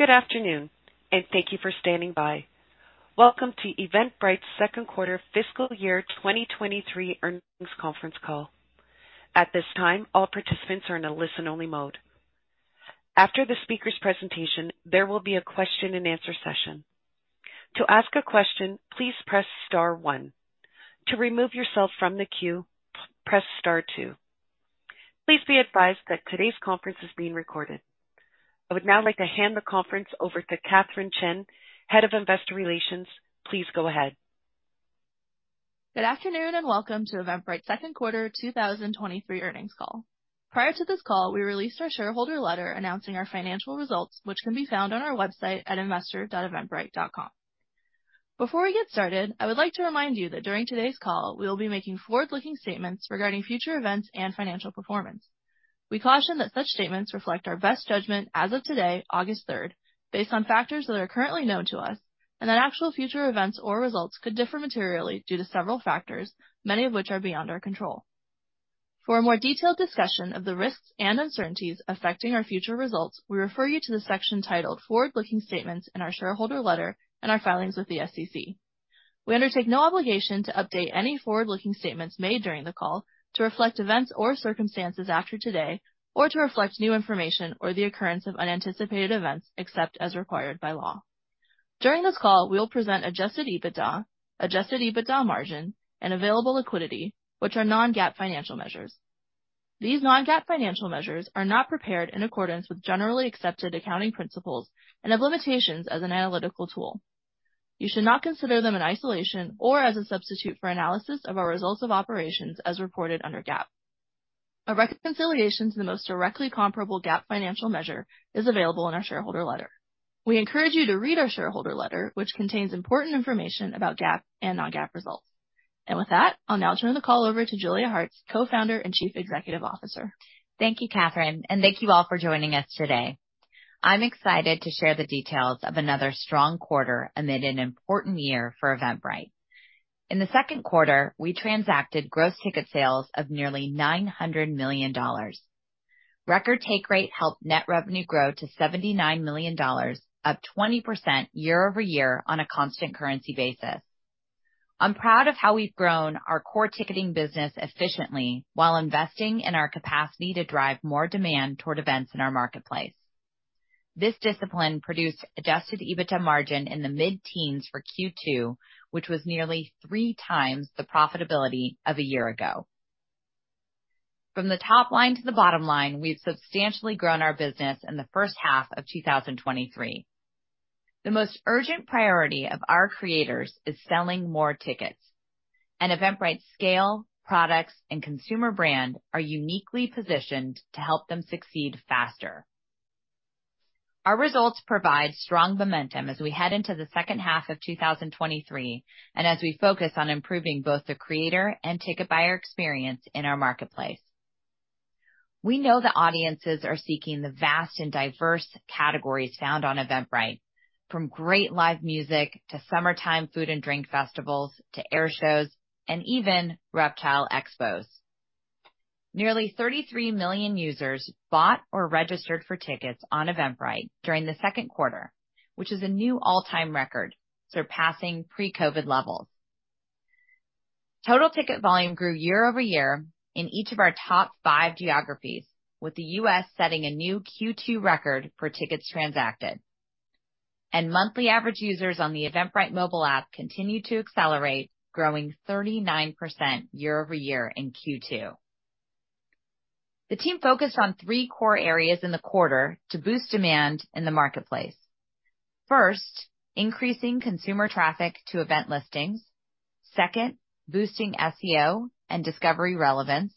Good afternoon, and thank you for standing by. Welcome to Eventbrite's Second Quarter Fiscal Year 2023 earnings Conference Call. At this time, all participants are in a listen-only mode. After the speaker's presentation, there will be a question-and-answer session. To ask a question, please press star one. To remove yourself from the queue, press star two. Please be advised that today's conference is being recorded. I would now like to hand the conference over to Katherine Chen, Head of Investor Relations. Please go ahead. Good afternoon, and welcome to Eventbrite's Second Quarter 2023 Earnings Call. Prior to this call, we released our shareholder letter announcing our financial results, which can be found on our website at investor.eventbrite.com. Before we get started, I would like to remind you that during today's call, we will be making forward-looking statements regarding future events and financial performance. We caution that such statements reflect our best judgment as of today, August 3, based on factors that are currently known to us, and that actual future events or results could differ materially due to several factors, many of which are beyond our control. For a more detailed discussion of the risks and uncertainties affecting our future results, we refer you to the section titled Forward-Looking Statements in our shareholder letter and our filings with the SEC. We undertake no obligation to update any forward-looking statements made during the call to reflect events or circumstances after today or to reflect new information or the occurrence of unanticipated events, except as required by law. During this call, we will present Adjusted EBITDA, Adjusted EBITDA margin, and available liquidity, which are non-GAAP financial measures. These non-GAAP financial measures are not prepared in accordance with generally accepted accounting principles and have limitations as an analytical tool. You should not consider them in isolation or as a substitute for analysis of our results of operations as reported under GAAP. A reconciliation to the most directly comparable GAAP financial measure is available in our shareholder letter. We encourage you to read our shareholder letter, which contains important information about GAAP and non-GAAP results. With that, I'll now turn the call over to Julia Hartz, Co-founder and Chief Executive Officer. Thank you, Katherine, and thank you all for joining us today. I'm excited to share the details of another strong quarter amid an important year for Eventbrite. In the second quarter, we transacted gross ticket sales of nearly $900 million. Record take rate helped net revenue grow to $79 million, up 20% year-over-year on a constant currency basis. I'm proud of how we've grown our core ticketing business efficiently while investing in our capacity to drive more demand toward events in our marketplace. This discipline produced Adjusted EBITDA margin in the mid-teens for Q2, which was nearly three times the profitability of a year ago. From the top line to the bottom line, we've substantially grown our business in the first half of 2023. The most urgent priority of our creators is selling more tickets, and Eventbrite's scale, products, and consumer brand are uniquely positioned to help them succeed faster. Our results provide strong momentum as we head into the second half of 2023, and as we focus on improving both the creator and ticket buyer experience in our marketplace. We know that audiences are seeking the vast and diverse categories found on Eventbrite, from great live music to summertime food and drink festivals to air shows and even reptile expos. Nearly 33 million users bought or registered for tickets on Eventbrite during the second quarter, which is a new all-time record, surpassing pre-COVID levels. Total ticket volume grew year-over-year in each of our top five geographies, with the U.S. setting a new Q2 record for tickets transacted. Monthly average users on the Eventbrite mobile app continued to accelerate, growing 39% year-over-year in Q2. The team focused on three core areas in the quarter to boost demand in the marketplace. First, increasing consumer traffic to event listings. Second, boosting SEO and discovery relevance.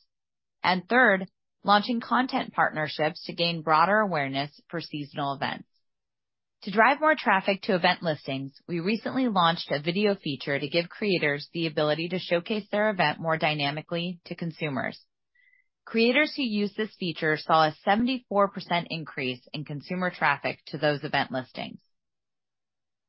Third, launching content partnerships to gain broader awareness for seasonal events. To drive more traffic to event listings, we recently launched a video feature to give creators the ability to showcase their event more dynamically to consumers. Creators who used this feature saw a 74% increase in consumer traffic to those event listings.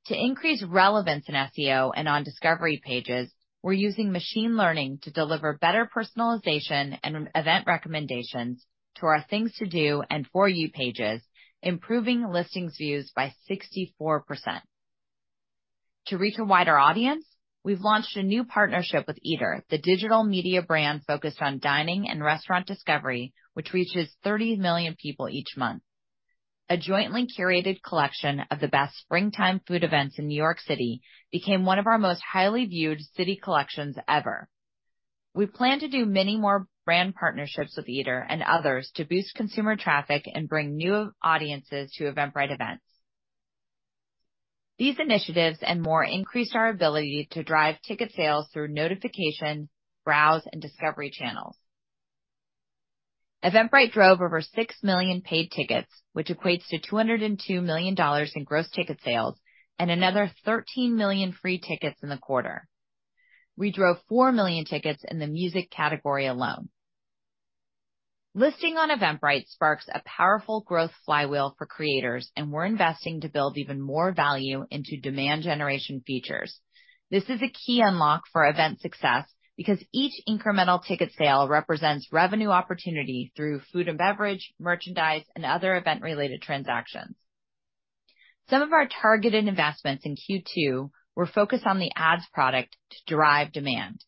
To increase relevance in SEO and on discovery pages, we're using machine learning to deliver better personalization and event recommendations to our Things to Do and For You pages, improving listings views by 64%. To reach a wider audience, we've launched a new partnership with Eater, the digital media brand focused on dining and restaurant discovery, which reaches 30 million people each month. A jointly curated collection of the best springtime food events in New York City became one of our most highly viewed city collections ever. We plan to do many more brand partnerships with Eater and others to boost consumer traffic and bring new audiences to Eventbrite events. These initiatives and more increased our ability to drive ticket sales through notification, browse, and discovery channels. Eventbrite drove over 6 million paid tickets, which equates to $202 million in gross ticket sales and another 13 million free tickets in the quarter. We drove 4 million tickets in the music category alone. Listing on Eventbrite sparks a powerful growth flywheel for creators, and we're investing to build even more value into demand generation features. This is a key unlock for event success because each incremental ticket sale represents revenue opportunity through food and beverage, merchandise, and other event-related transactions. Some of our targeted investments in Q2 were focused on the ads product to drive demand.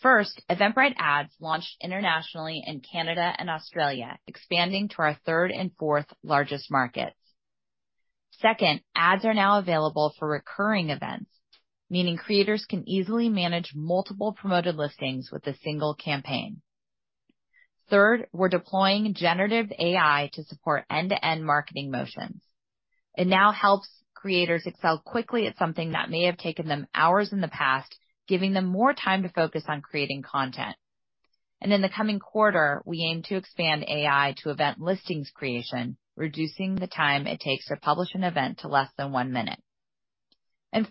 First, Eventbrite Ads launched internationally in Canada and Australia, expanding to our third and fourth largest markets. Second, ads are now available for recurring events, meaning creators can easily manage multiple promoted listings with a single campaign. Third, we're deploying generative AI to support end-to-end marketing motions. It now helps creators excel quickly at something that may have taken them hours in the past, giving them more time to focus on creating content. In the coming quarter, we aim to expand AI to event listings creation, reducing the time it takes to publish an event to less than 1 minute.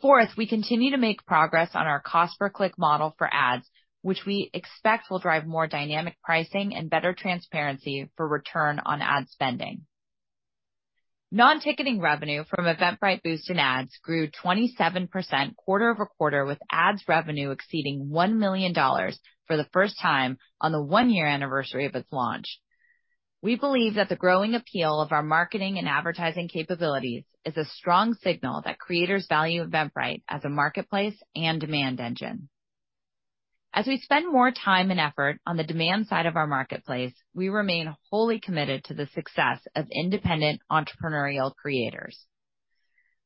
Fourth, we continue to make progress on our cost per click model for ads, which we expect will drive more dynamic pricing and better transparency for return on ad spending. Non-ticketing revenue from Eventbrite Boost in ads grew 27% quarter-over-quarter, with ads revenue exceeding $1 million for the first time on the one-year anniversary of its launch. We believe that the growing appeal of our marketing and advertising capabilities is a strong signal that creators value Eventbrite as a marketplace and demand engine. As we spend more time and effort on the demand side of our marketplace, we remain wholly committed to the success of independent entrepreneurial creators.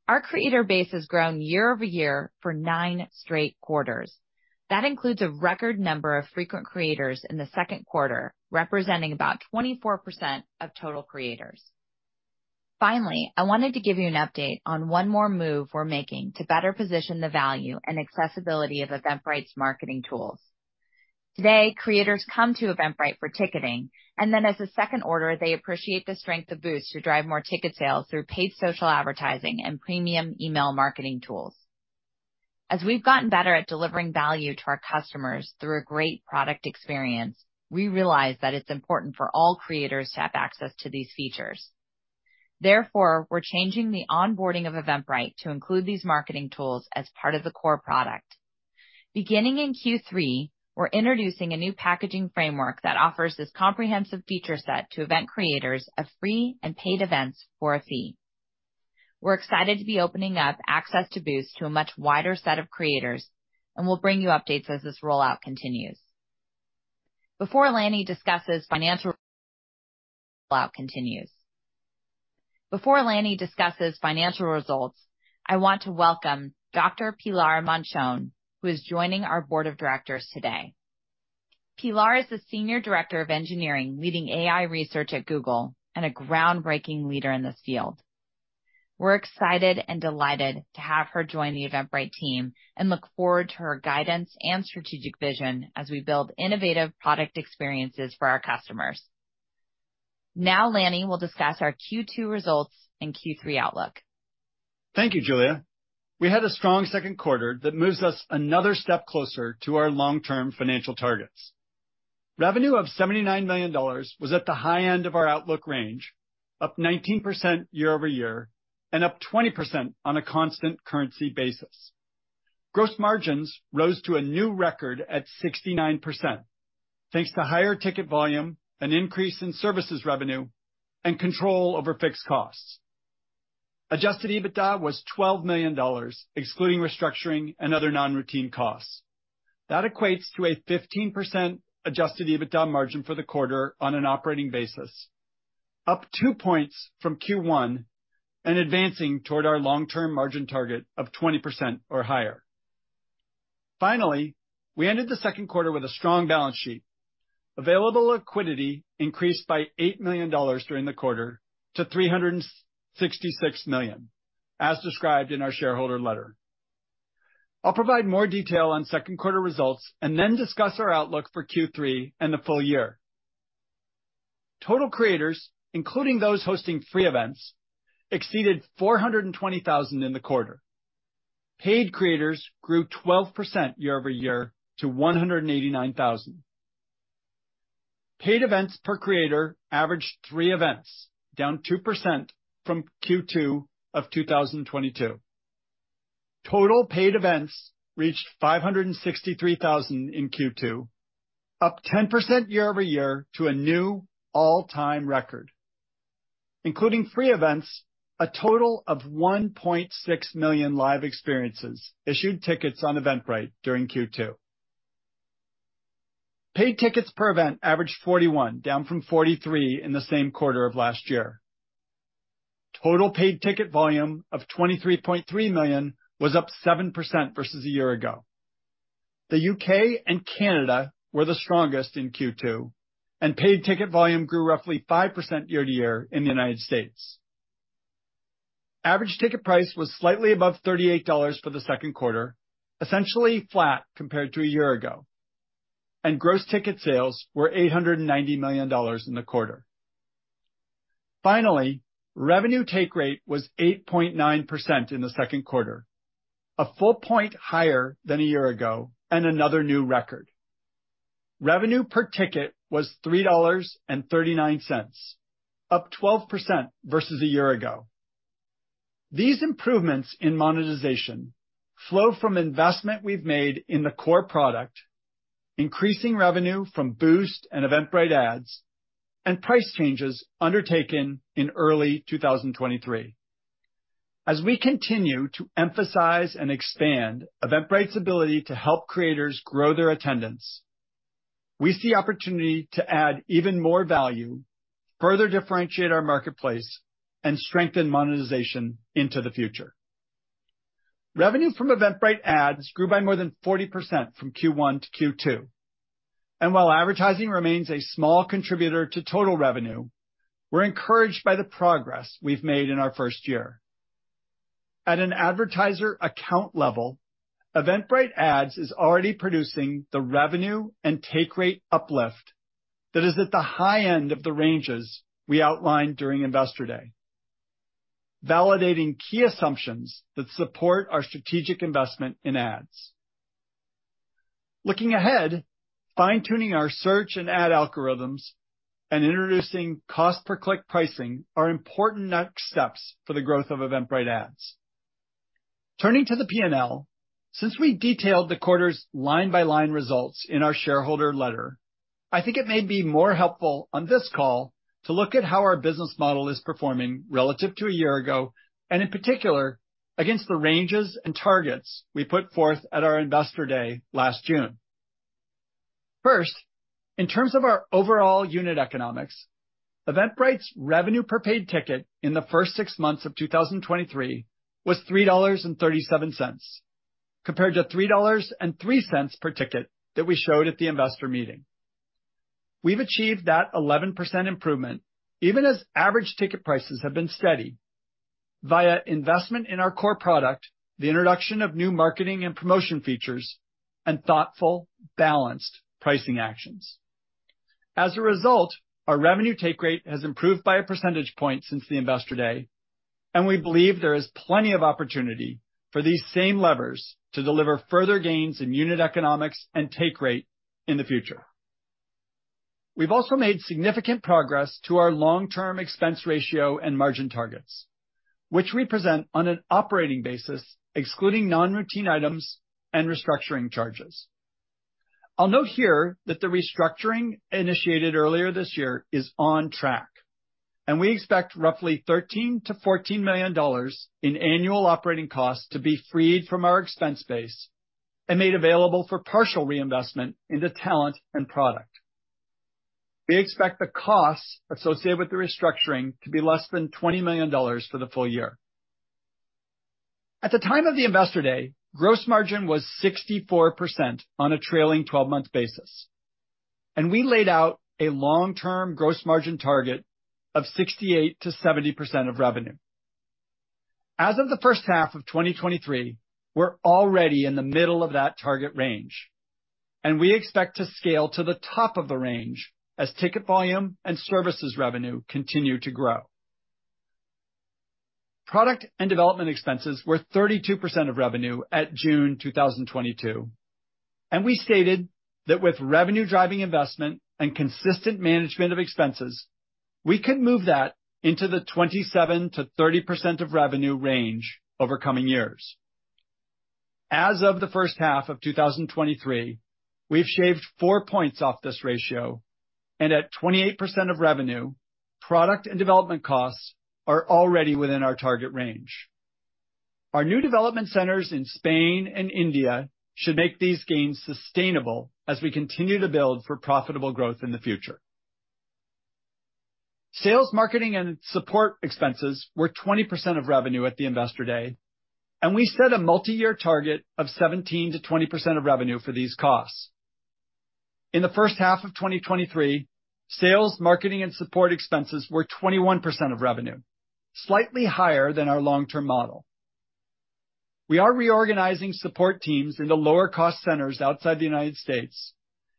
Our creator base has grown year-over-year for nine straight quarters. That includes a record number of frequent creators in the second quarter, representing about 24% of total creators. Finally, I wanted to give you an update on one more move we're making to better position the value and accessibility of Eventbrite's marketing tools. Today, creators come to Eventbrite for ticketing, and then as a second order, they appreciate the strength of Boost to drive more ticket sales through paid social advertising and premium email marketing tools. As we've gotten better at delivering value to our customers through a great product experience, we realize that it's important for all creators to have access to these features. Therefore, we're changing the onboarding of Eventbrite to include these marketing tools as part of the core product. Beginning in Q3, we're introducing a new packaging framework that offers this comprehensive feature set to event creators of free and paid events for a fee. We're excited to be opening up access to Boost to a much wider set of creators, and we'll bring you updates as this rollout continues. Before Lanny discusses financial results, I want to welcome Dr. Pilar Manchón, who is joining our board of directors today. Pilar is the Senior Director of Engineering, leading AI research at Google, and a groundbreaking leader in this field. We're excited and delighted to have her join the Eventbrite team and look forward to her guidance and strategic vision as we build innovative product experiences for our customers. Lanny will discuss our Q2 results and Q3 outlook. Thank you, Julia. We had a strong second quarter that moves us another step closer to our long-term financial targets. Revenue of $79 million was at the high end of our outlook range, up 19% year-over-year, and up 20% on a constant currency basis. Gross margins rose to a new record at 69%, thanks to higher ticket volume, an increase in services revenue, and control over fixed costs. Adjusted EBITDA was $12 million, excluding restructuring and other non-routine costs. That equates to a 15% Adjusted EBITDA margin for the quarter on an operating basis, up two points from Q1 and advancing toward our long-term margin target of 20% or higher. Finally, we ended the second quarter with a strong balance sheet. Available liquidity increased by $8 million during the quarter to $366 million, as described in our shareholder letter. I'll provide more detail on second quarter results and then discuss our outlook for Q3 and the full year. Total creators, including those hosting free events, exceeded 420,000 in the quarter. Paid creators grew 12% year-over-year to 189,000. Paid events per creator averaged three events, down 2% from Q2 of 2022. Total paid events reached 563,000 in Q2, up 10% year-over-year to a new all-time record. Including free events, a total of 1.6 million live experiences issued tickets on Eventbrite during Q2. Paid tickets per event averaged 41, down from 43 in the same quarter of last year. Total paid ticket volume of $23.3 million was up 7% versus a year ago. The U.K. and Canada were the strongest in Q2, and paid ticket volume grew roughly 5% year-to-year in the United States. Average ticket price was slightly above $38 for the second quarter, essentially flat compared to a year ago, and gross ticket sales were $890 million in the quarter. Finally, revenue take rate was 8.9% in the second quarter, a full point higher than a year ago and another new record. Revenue per ticket was $3.39, up 12% versus a year ago. These improvements in monetization flow from investment we've made in the core product-... increasing revenue from Boost and Eventbrite Ads, and price changes undertaken in early 2023. As we continue to emphasize and expand Eventbrite's ability to help creators grow their attendance, we see opportunity to add even more value, further differentiate our marketplace, and strengthen monetization into the future. Revenue from Eventbrite Ads grew by more than 40% from Q1 to Q2, while advertising remains a small contributor to total revenue, we're encouraged by the progress we've made in our first year. At an advertiser account level, Eventbrite Ads is already producing the revenue and take rate uplift that is at the high end of the ranges we outlined during Investor Day, validating key assumptions that support our strategic investment in ads. Looking ahead, fine-tuning our search and ad algorithms and introducing cost per click pricing are important next steps for the growth of Eventbrite Ads. Turning to the P&L, since we detailed the quarter's line-by-line results in our shareholder letter, I think it may be more helpful on this call to look at how our business model is performing relative to a year ago, and in particular, against the ranges and targets we put forth at our Investor Day last June. First, in terms of our overall unit economics, Eventbrite's revenue per paid ticket in the first six months of 2023 was $3.37, compared to $3.03 per ticket that we showed at the investor meeting. We've achieved that 11% improvement, even as average ticket prices have been steady, via investment in our core product, the introduction of new marketing and promotion features, and thoughtful, balanced pricing actions. As a result, our revenue take rate has improved by a percentage point since the Investor Day, and we believe there is plenty of opportunity for these same levers to deliver further gains in unit economics and take rate in the future. We've also made significant progress to our long-term expense ratio and margin targets, which we present on an operating basis, excluding non-routine items and restructuring charges. I'll note here that the restructuring initiated earlier this year is on track, and we expect roughly $13 million-$14 million in annual operating costs to be freed from our expense base and made available for partial reinvestment into talent and product. We expect the costs associated with the restructuring to be less than $20 million for the full year. At the time of the Investor Day, gross margin was 64% on a trailing 12-month basis. We laid out a long-term gross margin target of 68%-70% of revenue. As of the first half of 2023, we're already in the middle of that target range. We expect to scale to the top of the range as ticket volume and services revenue continue to grow. Product and development expenses were 32% of revenue at June 2022. We stated that with revenue-driving investment and consistent management of expenses, we could move that into the 27%-30% of revenue range over coming years. As of the first half of 2023, we've shaved four points off this ratio. At 28% of revenue, product and development costs are already within our target range. Our new development centers in Spain and India should make these gains sustainable as we continue to build for profitable growth in the future. Sales, marketing, and support expenses were 20% of revenue at the Investor Day, and we set a multi-year target of 17%-20% of revenue for these costs. In the first half of 2023, sales, marketing, and support expenses were 21% of revenue, slightly higher than our long-term model. We are reorganizing support teams into lower cost centers outside the United States,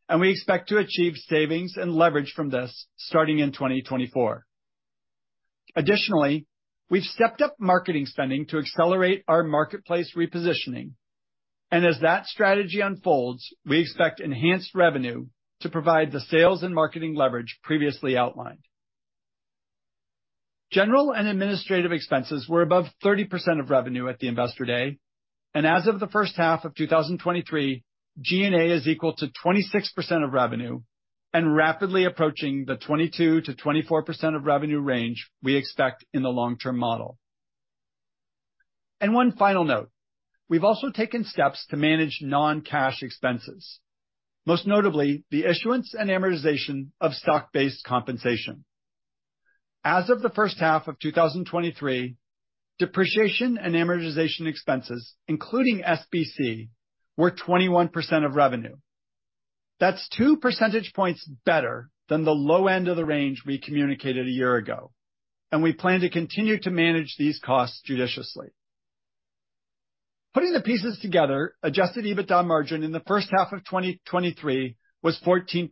and we expect to achieve savings and leverage from this starting in 2024. Additionally, we've stepped up marketing spending to accelerate our marketplace repositioning, and as that strategy unfolds, we expect enhanced revenue to provide the sales and marketing leverage previously outlined. General and administrative expenses were above 30% of revenue at the Investor Day, and as of the first half of 2023, G&A is equal to 26% of revenue and rapidly approaching the 22%-24% of revenue range we expect in the long-term model. One final note: we've also taken steps to manage non-cash expenses, most notably the issuance and amortization of stock-based compensation. As of the first half of 2023, depreciation and amortization expenses, including SBC, were 21% of revenue. That's 2 percentage points better than the low end of the range we communicated a year ago, and we plan to continue to manage these costs judiciously. Putting the pieces together, Adjusted EBITDA margin in the first half of 2023 was 14%,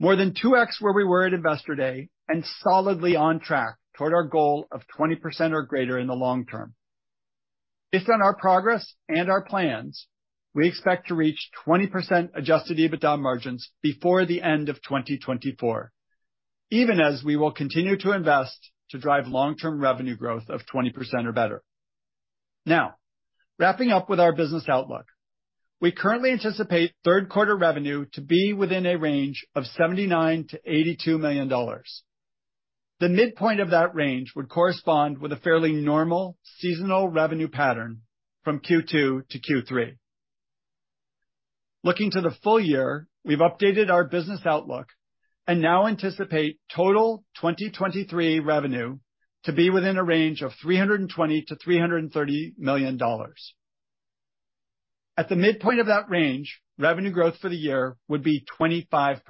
more than 2x where we were at Investor Day, and solidly on track toward our goal of 20% or greater in the long term. Based on our progress and our plans, we expect to reach 20% Adjusted EBITDA margins before the end of 2024, even as we will continue to invest to drive long-term revenue growth of 20% or better. Wrapping up with our business outlook. We currently anticipate third quarter revenue to be within a range of $79 million-$82 million. The midpoint of that range would correspond with a fairly normal seasonal revenue pattern from Q2 to Q3. Looking to the full year, we've updated our business outlook and now anticipate total 2023 revenue to be within a range of $320 million-$330 million. At the midpoint of that range, revenue growth for the year would be 25%,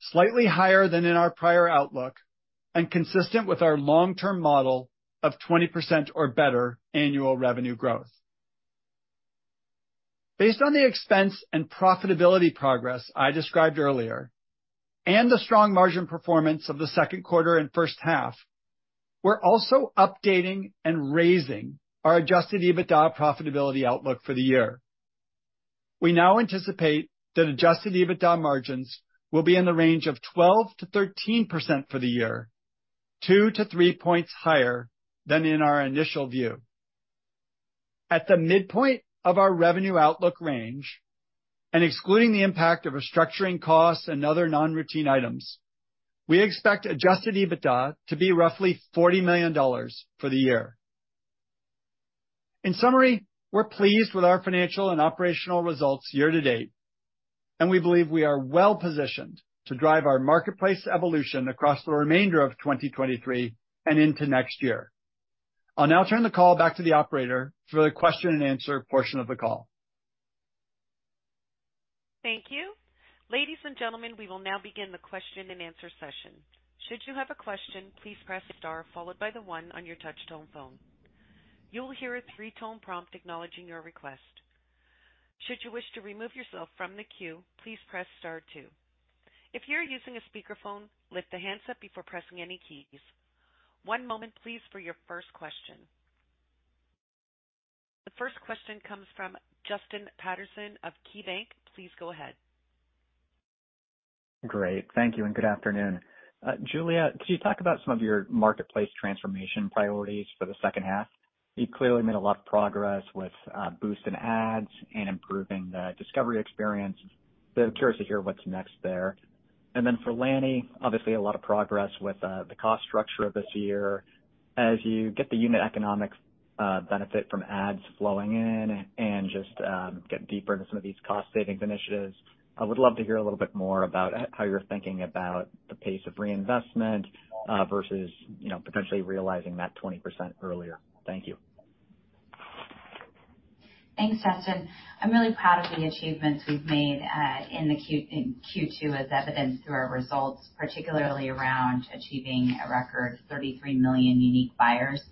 slightly higher than in our prior outlook and consistent with our long-term model of 20% or better annual revenue growth. Based on the expense and profitability progress I described earlier, and the strong margin performance of the second quarter and first half, we're also updating and raising our Adjusted EBITDA profitability outlook for the year. We now anticipate that Adjusted EBITDA margins will be in the range of 12%-13% for the year, 2-3 points higher than in our initial view. At the midpoint of our revenue outlook range, excluding the impact of restructuring costs and other non-routine items, we expect Adjusted EBITDA to be roughly $40 million for the year. In summary, we're pleased with our financial and operational results year-to-date, we believe we are well positioned to drive our marketplace evolution across the remainder of 2023 and into next year. I'll now turn the call back to the operator for the question and answer portion of the call. Thank you. Ladies and gentlemen, we will now begin the question and answer session. Should you have a question, please press star followed by the one on your touch-tone phone. You will hear a three-tone prompt acknowledging your request. Should you wish to remove yourself from the queue, please press star two. If you're using a speakerphone, lift the handset before pressing any keys. One moment please for your first question. The first question comes from Justin Patterson of KeyBanc. Please go ahead. Great. Thank you and good afternoon. Julia, could you talk about some of your marketplace transformation priorities for the second half? You've clearly made a lot of progress with Boost in ads and improving the discovery experience, so I'm curious to hear what's next there. For Lanny, obviously a lot of progress with the cost structure of this year. As you get the unit economics benefit from ads flowing in and just get deeper into some of these cost savings initiatives, I would love to hear a little bit more about how you're thinking about the pace of reinvestment versus, you know, potentially realizing that 20% earlier. Thank you. Thanks, Justin. I'm really proud of the achievements we've made in Q2, as evidenced through our results, particularly around achieving a record 33 million unique buyers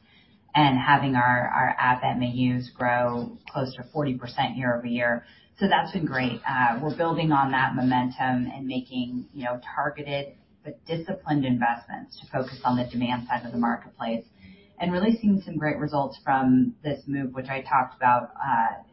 and having our app that MAUs grow close to 40% year-over-year. That's been great. We're building on that momentum and making, you know, targeted but disciplined investments to focus on the demand side of the marketplace, really seeing some great results from this move, which I talked about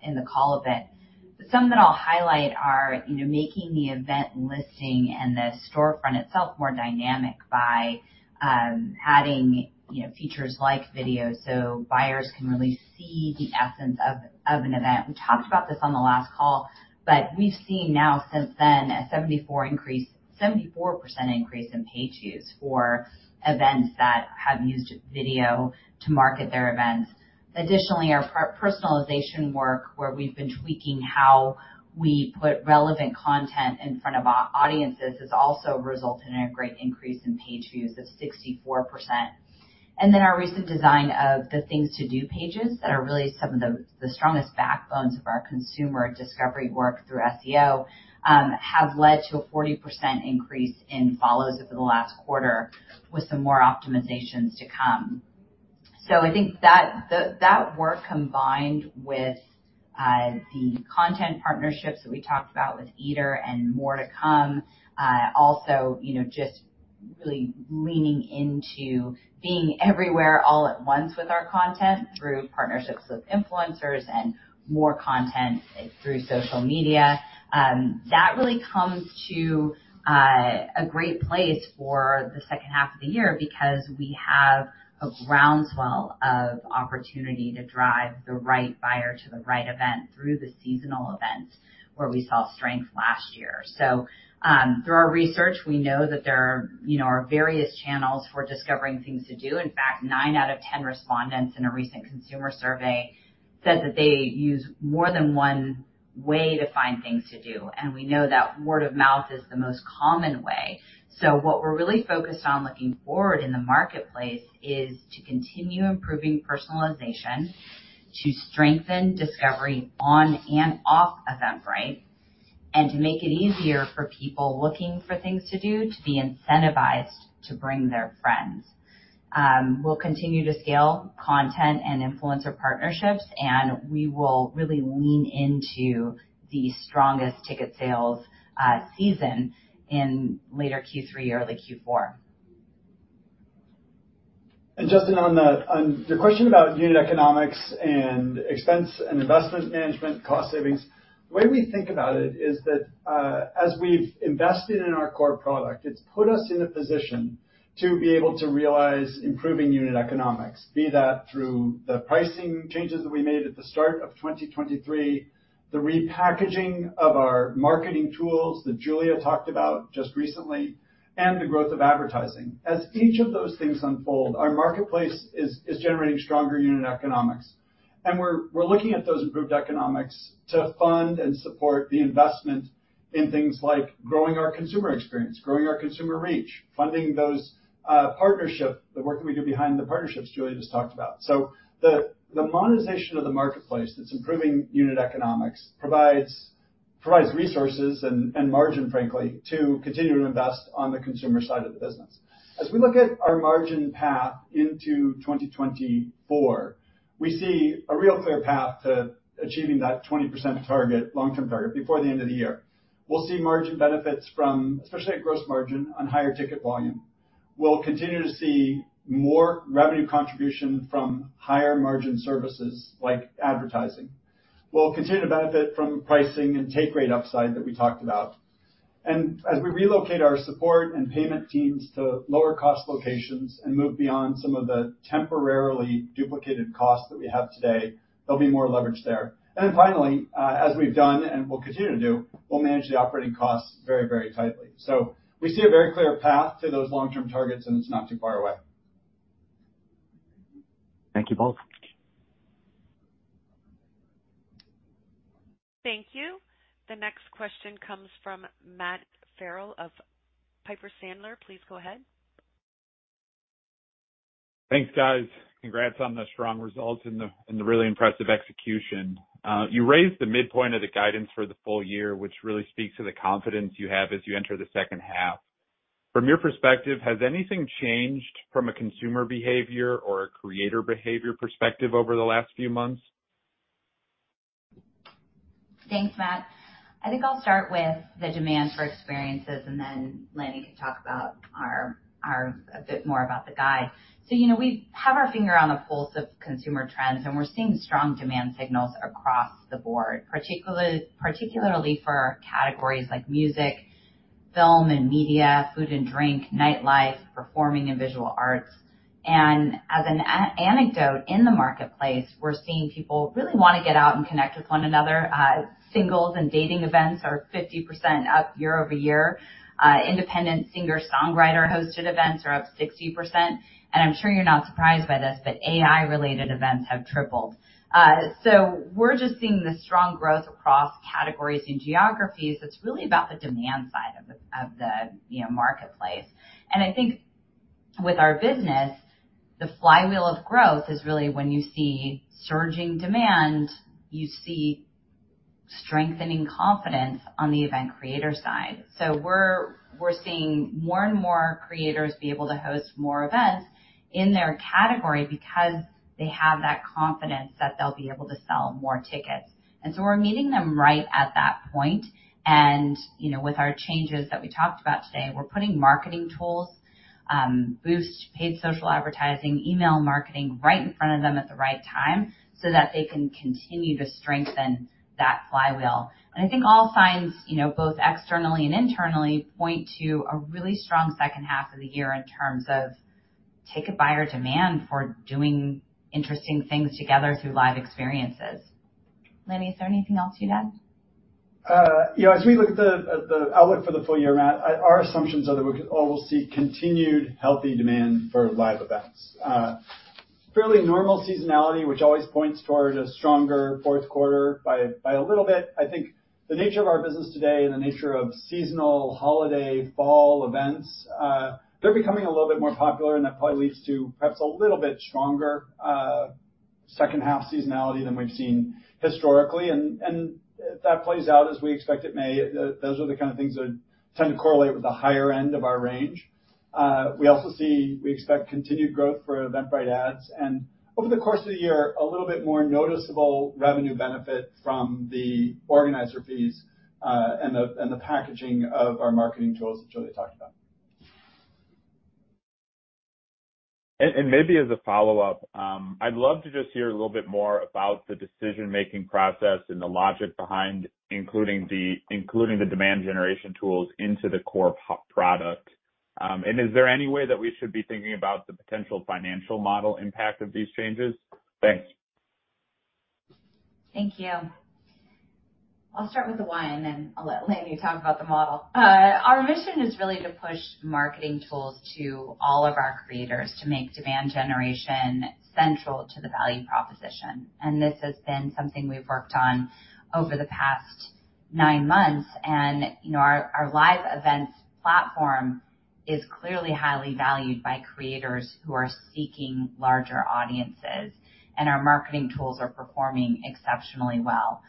in the call a bit. Some that I'll highlight are, you know, making the event listing and the storefront itself more dynamic by adding, you know, features like video, so buyers can really see the essence of an event. We talked about this on the last call, but we've seen now since then, a 74 increase... 74% increase in page views for events that have used video to market their events. Additionally, our personalization work, where we've been tweaking how we put relevant content in front of our audiences, has also resulted in a great increase in page views of 64%. Our recent design of the Things to Do pages, that are really some of the, the strongest backbones of our consumer discovery work through SEO, have led to a 40% increase in follows over the last quarter, with some more optimizations to come. I think that, the, that work combined with, the content partnerships that we talked about with Eater and more to come, also, you know, just really leaning into being everywhere all at once with our content through partnerships with influencers and more content through social media. That really comes to a great place for the second half of the year because we have a groundswell of opportunity to drive the right buyer to the right event through the seasonal events where we saw strength last year. Through our research, we know that there are, you know, various channels for discovering Things to Do. In fact, nine out of 10 respondents in a recent consumer survey said that they use more than one way to find Things to Do, and we know that word of mouth is the most common way. What we're really focused on looking forward in the marketplace is to continue improving personalization, to strengthen discovery on and off Eventbrite, and to make it easier for people looking for Things to Do, to be incentivized to bring their friends. We'll continue to scale content and influencer partnerships, and we will really lean into the strongest ticket sales season in later Q3, early Q4. Justin, on the, on the question about unit economics and expense and investment management, cost savings. The way we think about it is that, as we've invested in our core product, it's put us in a position to be able to realize improving unit economics, be that through the pricing changes that we made at the start of 2023, the repackaging of our marketing tools that Julia talked about just recently, and the growth of advertising. As each of those things unfold, our marketplace is, is generating stronger unit economics, and we're, we're looking at those improved economics to fund and support the investment in things like growing our consumer experience, growing our consumer reach, funding those, partnership, the work that we do behind the partnerships Julia just talked about. The, the monetization of the marketplace that's improving unit economics provides, provides resources and, and margin, frankly, to continue to invest on the consumer side of the business. As we look at our margin path into 2024, we see a real clear path to achieving that 20% target, long-term target, before the end of the year. We'll see margin benefits from, especially at gross margin on higher ticket volume. We'll continue to see more revenue contribution from higher margin services like advertising. We'll continue to benefit from pricing and take rate upside that we talked about. As we relocate our support and payment teams to lower cost locations and move beyond some of the temporarily duplicated costs that we have today, there'll be more leverage there. Then finally, as we've done and will continue to do, we'll manage the operating costs very, very tightly. We see a very clear path to those long-term targets, and it's not too far away. Thank you, both. Thank you. The next question comes from Matt Farrell of Piper Sandler. Please go ahead. Thanks, guys. Congrats on the strong results and the really impressive execution. You raised the midpoint of the guidance for the full year, which really speaks to the confidence you have as you enter the second half. From your perspective, has anything changed from a consumer behavior or a creator behavior perspective over the last few months? Thanks, Matt. I think I'll start with the demand for experiences. Lanny can talk about a bit more about the guide. You know, we have our finger on the pulse of consumer trends. We're seeing strong demand signals across the board, particularly for categories like music, film and media, food and drink, nightlife, performing and visual arts. As an anecdote in the marketplace, we're seeing people really wanna get out and connect with one another. Singles and dating events are 50% up year-over-year. Independent singer-songwriter hosted events are up 60%. I'm sure you're not surprised by this, AI-related events have tripled. We're just seeing the strong growth across categories and geographies. It's really about the demand side of the, you know, marketplace. I think with our business, the flywheel of growth is really when you see surging demand, you see strengthening confidence on the event creator side. We're, we're seeing more and more creators be able to host more events in their category because they have that confidence that they'll be able to sell more tickets. We're meeting them right at that point, and, you know, with our changes that we talked about today, we're putting marketing tools, Boost paid social advertising, email marketing, right in front of them at the right time so that they can continue to strengthen that flywheel. I think all signs, you know, both externally and internally, point to a really strong second half of the year in terms of ticket buyer demand for doing interesting things together through live experiences. Lanny, is there anything else you'd add? You know, as we look at the, at the outlook for the full year, Matt, our, our assumptions are that we all will see continued healthy demand for live events. Fairly normal seasonality, which always points towards a stronger fourth quarter by, by a little bit. I think the nature of our business today and the nature of seasonal holiday fall events, they're becoming a little bit more popular, and that probably leads to perhaps a little bit stronger, second half seasonality than we've seen historically, and, and if that plays out as we expect it may, those are the kind of things that tend to correlate with the higher end of our range. We also see... we expect continued growth for Eventbrite Ads, and over the course of the year, a little bit more noticeable revenue benefit from the organizer fees, and the, and the packaging of our marketing tools that Julia talked about. Maybe as a follow-up, I'd love to just hear a little bit more about the decision-making process and the logic behind including the demand generation tools into the core product. Is there any way that we should be thinking about the potential financial model impact of these changes? Thanks. Thank you. I'll start with the why, and then I'll let Lanny talk about the model. Our mission is really to push marketing tools to all of our creators to make demand generation central to the value proposition. This has been something we've worked on over the past nine months, and, you know, our, our live events platform is clearly highly valued by creators who are seeking larger audiences, and our marketing tools are performing exceptionally well.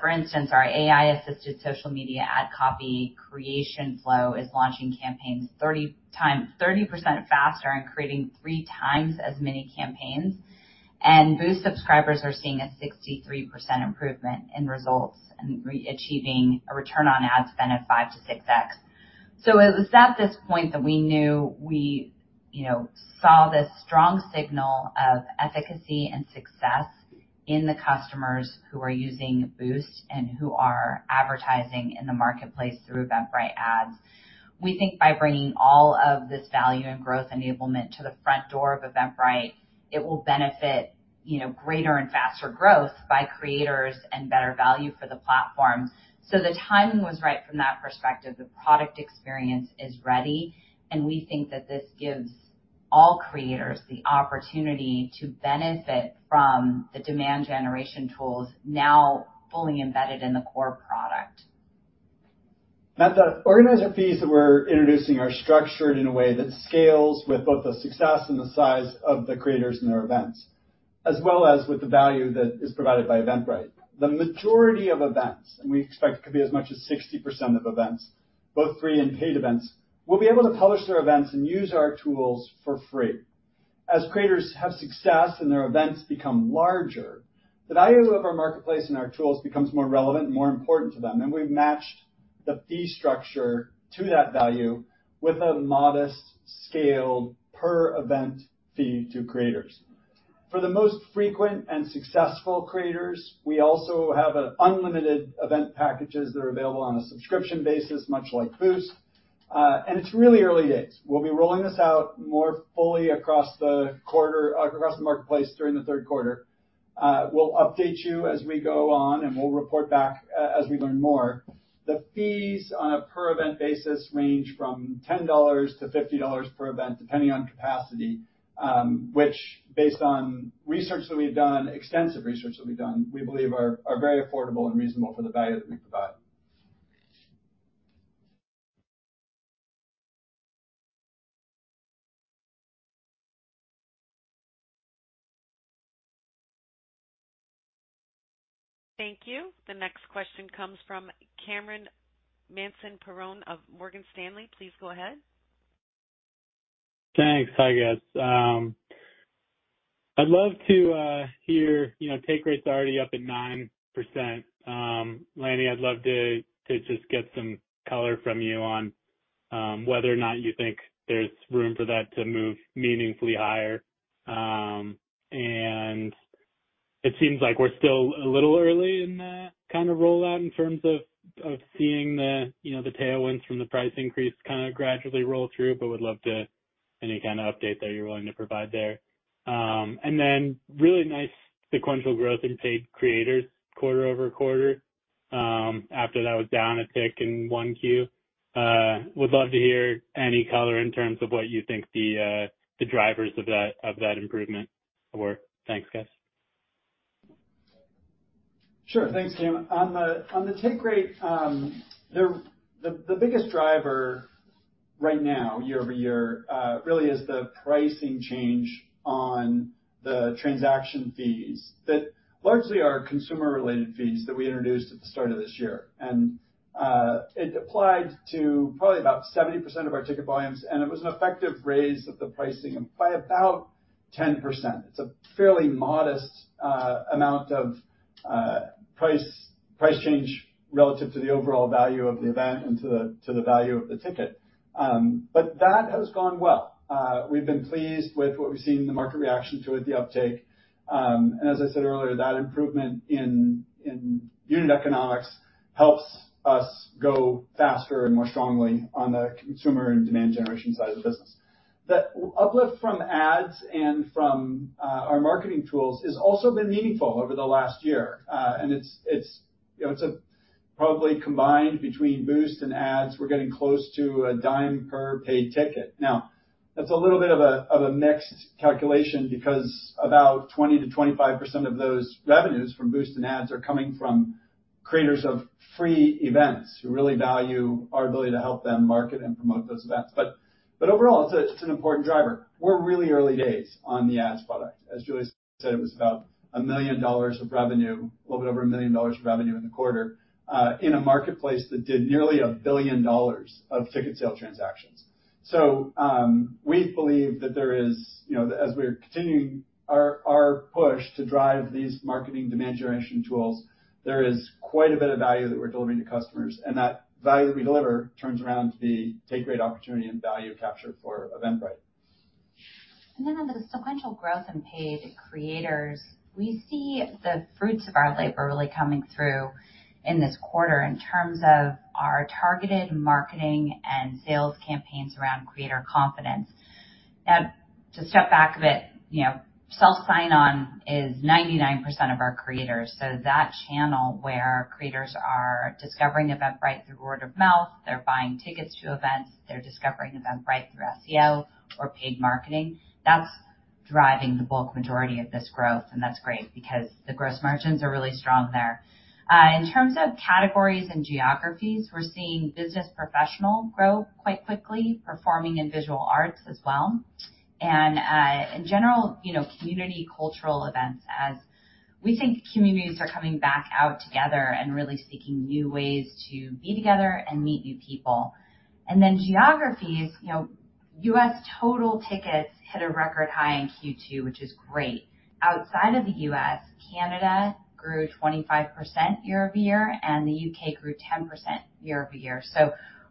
For instance, our AI-assisted social media ad copy creation flow is launching campaigns 30% faster and creating three times as many campaigns, and Boost subscribers are seeing a 63% improvement in results and achieving a return on ad spend of 5-6x. It was at this point that we knew. you know, saw this strong signal of efficacy and success in the customers who are using Boost and who are advertising in the marketplace through Eventbrite Ads. We think by bringing all of this value and growth enablement to the front door of Eventbrite, it will benefit, you know, greater and faster growth by creators and better value for the platform. The timing was right from that perspective. The product experience is ready, and we think that this gives all creators the opportunity to benefit from the demand generation tools now fully embedded in the core product. The organizer fees that we're introducing are structured in a way that scales with both the success and the size of the creators and their events, as well as with the value that is provided by Eventbrite. The majority of events, and we expect it could be as much as 60% of events, both free and paid events, will be able to publish their events and use our tools for free. As creators have success and their events become larger, the value of our marketplace and our tools becomes more relevant and more important to them, and we've matched the fee structure to that value with a modest scaled per event fee to creators. For the most frequent and successful creators, we also have an unlimited event packages that are available on a subscription basis, much like Boost. It's really early days. We'll be rolling this out more fully across the quarter, across the marketplace during the third quarter. We'll update you as we go on, and we'll report back as we learn more. The fees on a per event basis range from $10 to $50 per event, depending on capacity, which based on research that we've done, extensive research that we've done, we believe are, are very affordable and reasonable for the value that we provide. Thank you. The next question comes from Cameron Mansson-Perrone of Morgan Stanley. Please go ahead. Thanks. Hi, guys. I'd love to hear, you know, take rates are already up at 9%. Lanny, I'd love to just get some color from you on whether or not you think there's room for that to move meaningfully higher. It seems like we're still a little early in that kind of rollout in terms of seeing the, you know, the tailwinds from the price increase kinda gradually roll through, but would love any kind of update that you're willing to provide there. Then really nice sequential growth in paid creators quarter-over-quarter after that was down a tick in 1Q. Would love to hear any color in terms of what you think the drivers of that, of that improvement were. Thanks, guys. Sure. Thanks, Cameron. On the, on the take rate, the, the biggest driver right now, year over year, really is the pricing change on the transaction fees that largely are consumer-related fees that we introduced at the start of this year. It applied to probably about 70% of our ticket volumes, and it was an effective raise of the pricing by about 10%. It's a fairly modest amount of price, price change relative to the overall value of the event and to the, to the value of the ticket. But that has gone well. We've been pleased with what we've seen in the market reaction to it, the uptake. As I said earlier, that improvement in, in unit economics helps us go faster and more strongly on the consumer and demand generation side of the business. The uplift from ads and from our marketing tools has also been meaningful over the last year. It's, it's, you know, it's a probably combined between Boost and ads. We're getting close to $0.10 per paid ticket. Now, that's a little bit of a, of a mixed calculation because about 20%-25% of those revenues from Boost and ads are coming from creators of free events who really value our ability to help them market and promote those events. Overall, it's a, it's an important driver. We're really early days on the ads product. As Julie said, it was about $1 million of revenue, a little bit over $1 million of revenue in the quarter, in a marketplace that did nearly $1 billion of ticket sale transactions. We believe that there is, you know, as we're continuing our, our push to drive these marketing demand generation tools, there is quite a bit of value that we're delivering to customers, and that value that we deliver turns around to be take great opportunity and value capture for Eventbrite. Then on the sequential growth in paid creators, we see the fruits of our labor really coming through in this quarter in terms of our targeted marketing and sales campaigns around creator confidence. To step back a bit, you know, self sign-on is 99% of our creators. That channel where creators are discovering Eventbrite through word of mouth, they're buying tickets to events, they're discovering Eventbrite through SEO or paid marketing, that's driving the bulk majority of this growth, and that's great because the gross margins are really strong there. In terms of categories and geographies, we're seeing business professional grow quite quickly, performing in visual arts as well. In general, you know, community cultural events, as we think communities are coming back out together and really seeking new ways to be together and meet new people. Geographies, you know, U.S. total tickets hit a record high in Q2, which is great. Outside of the U.S., Canada grew 25% year-over-year, and the U.K. grew 10% year-over-year.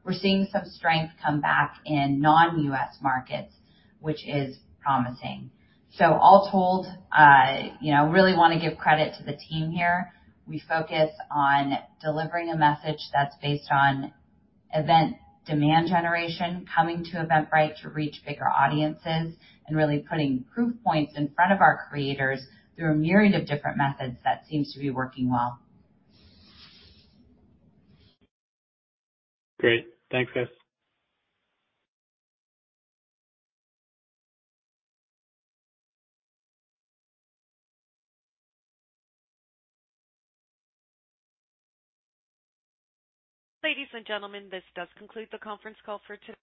We're seeing some strength come back in non-U.S. markets, which is promising. All told, you know, really want to give credit to the team here. We focus on delivering a message that's based on event demand generation, coming to Eventbrite to reach bigger audiences, and really putting proof points in front of our creators through a myriad of different methods that seems to be working well. Great. Thanks, guys. Ladies and gentlemen, this does conclude the conference call for today.